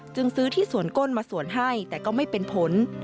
ซื้อที่สวนก้นมาสวนให้แต่ก็ไม่เป็นผล